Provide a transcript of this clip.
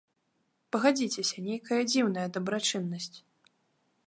Пагадзіцеся, нейкая дзіўная дабрачыннасць.